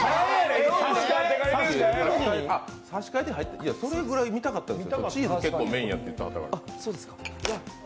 差し替えで入ったそれぐらい見たかったですよ。